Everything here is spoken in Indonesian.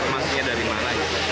masuknya dari mana gitu